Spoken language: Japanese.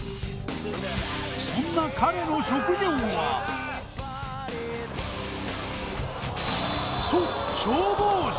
そんな彼の職業はそう！